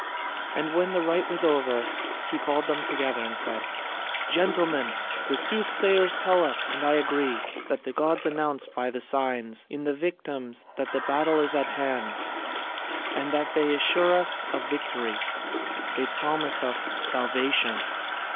And when the rite was over, he called them together and said: "Gentlemen, the soothsayers tell us, and I agree, that the gods announce by the signs in the victims that the battle is at hand, and they assure us of victory, they promise us salvation.